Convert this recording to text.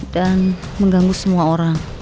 dan mengganggu semua orang